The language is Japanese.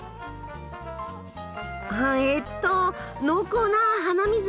あえっと濃厚な鼻水。